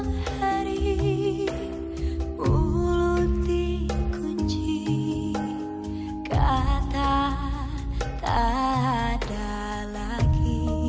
anda tak hari mulut di kunci kata tak ada lagi